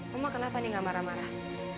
mama kenapa enggak marah marah